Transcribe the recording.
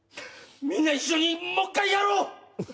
みんな一緒にもっかいやろう